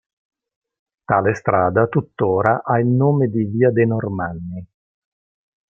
Tale strada tuttora ha il nome di Via dei Normanni.